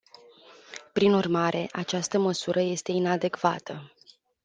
Prin urmare, această măsură este inadecvată.